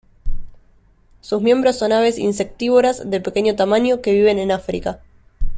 Sus miembros son aves insectívoras de pequeño tamaño que viven en África.